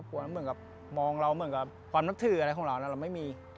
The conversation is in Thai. พ่อแม่ครอบครัวเหมือนกับมองเราเหมือนกับความนักถืออะไรของเราน่ะเราไม่มี